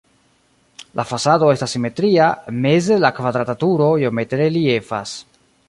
La fasado estas simetria, meze la kvadrata turo iomete reliefas.